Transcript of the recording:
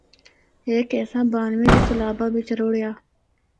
ہک حصہ بانوے دے سیلابا بچ رُڑیِّا۔